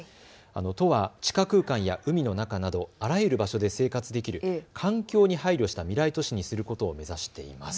都は地下空間や海の中などあらゆる場所で生活できる環境に配慮した未来都市にすることを目指しています。